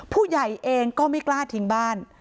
ผู้ใหญ่เองก็ไม่กล้าทิ้งบ้าน